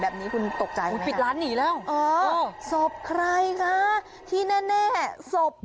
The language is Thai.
แบบนี้คุณตกใจคุณปิดร้านหนีแล้วศพใครคะที่แน่ศพ